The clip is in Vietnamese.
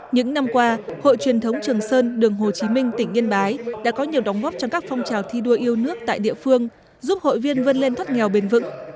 những năm qua hội truyền thống trường sơn đường hồ chí minh tỉnh yên bái đã có nhiều đóng góp trong các phong trào thi đua yêu nước tại địa phương giúp hội viên vân lên thoát nghèo bền vững